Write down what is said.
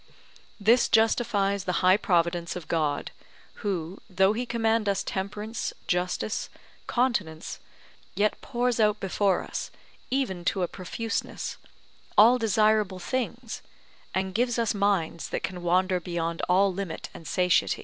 This justifies the high providence of God, who, though he command us temperance, justice, continence, yet pours out before us, even to a profuseness, all desirable things, and gives us minds that can wander beyond all limit and satiety.